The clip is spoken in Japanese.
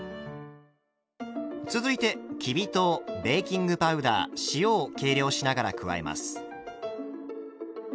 続いてきび糖ベーキングパウダー塩を計量しながら加えます。